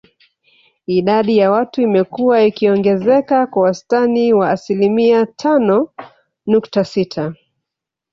Idadi ya watu imekua ikiongezeka kwa wastani wa asilimia tano nukta sita